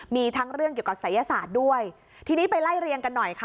มีทั้งเรื่องเกี่ยวกับศัยศาสตร์ด้วยทีนี้ไปไล่เรียงกันหน่อยค่ะ